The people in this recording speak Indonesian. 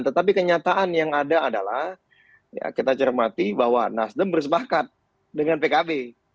tetapi kenyataan yang ada adalah kita cermati bahwa nasdem bersepakat dengan pkb